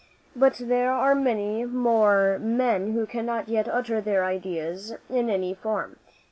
But there are many more men who cannot yet utter their ideas in any form.